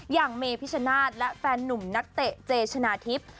อย่างเมพิชนาธิ์และแฟนหนุ่มนักเตะเจชนะทิพย์